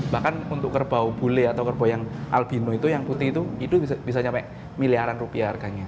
bahkan untuk kerbau bule atau kerbau yang albino itu yang putih itu bisa sampai miliaran rupiah harganya